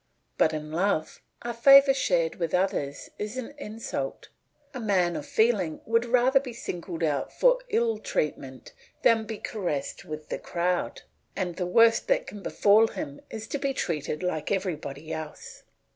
But in love, a favour shared with others is an insult. A man of feeling would rather be singled out for ill treatment than be caressed with the crowd, and the worst that can befall him is to be treated like every one else.